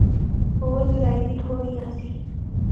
ہور گہرائی بھی تھوڑی آسی۔